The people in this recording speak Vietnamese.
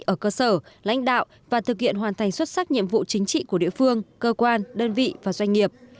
ở cơ sở lãnh đạo và thực hiện hoàn thành xuất sắc nhiệm vụ chính trị của địa phương cơ quan đơn vị và doanh nghiệp